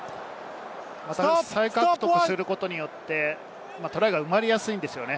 再獲得することによって、トライが生まれやすいんですよね。